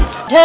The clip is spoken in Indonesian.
dan gue juga